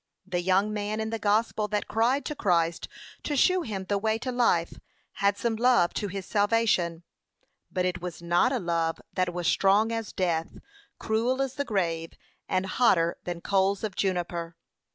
'The young man in the gospel that cried to Christ to shew him the way to life, had some love to his salvation; but it was not a love that was strong as death, cruel as the grave, and hotter than coals of juniper.'